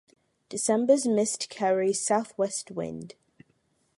December’s mist carries south-west wind.